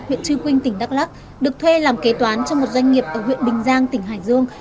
huyện trư quynh tỉnh đắk lắc được thuê làm kế toán cho một doanh nghiệp ở huyện bình giang tỉnh hải dương